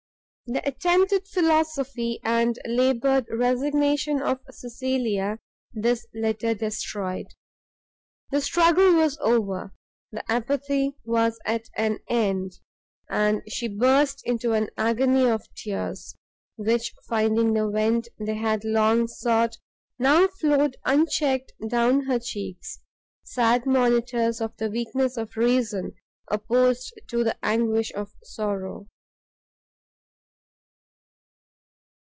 The attempted philosophy, and laboured resignation of Cecilia, this letter destroyed: the struggle was over, the apathy was at an end, and she burst into an agony of tears, which finding the vent they had long sought, now flowed unchecked down her cheeks, sad monitors of the weakness of reason opposed to the anguish of sorrow!